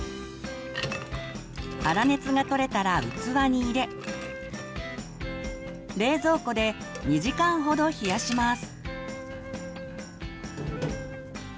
粗熱が取れたら器に入れ冷蔵庫で２時間ほど冷やします。